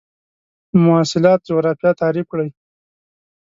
مواصلات جغرافیه تعریف کړئ.